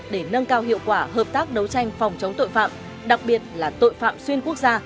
để nâng cao hiệu quả hợp tác đấu tranh phòng chống tội phạm đặc biệt là tội phạm xuyên quốc gia